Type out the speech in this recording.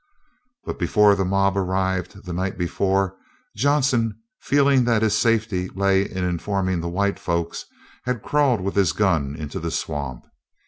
But before the mob arrived the night before, Johnson feeling that his safety lay in informing the white folks, had crawled with his gun into the swamp.